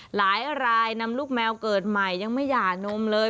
หลายรายนำลูกแมวเกิดใหม่ยังไม่หย่านมเลย